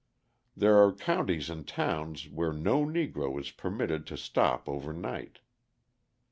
There are counties and towns where no Negro is permitted to stop over night.